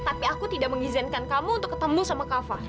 tapi aku tidak mengizinkan kamu untuk ketemu sama kava